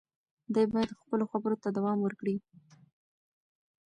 دی باید خپلو خبرو ته دوام ورکړي.